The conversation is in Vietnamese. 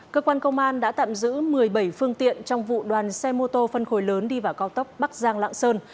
cơ quan công an đã tạm giữ một mươi bảy phương tiện trong vụ đoàn xe mô tô phân khối lớn đi vào cao tốc bắc giang lạng sơn